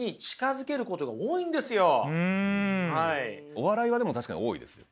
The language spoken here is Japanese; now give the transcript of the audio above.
お笑いはでも確かに多いですよ。